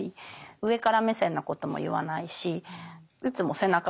上から目線なことも言わないしいつも背中を押してあげる。